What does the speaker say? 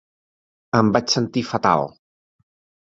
Em vaig sentir fatal.